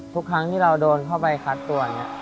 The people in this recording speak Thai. ทุกครั้งที่เราโดนเข้าไปคัดตัวเนี่ย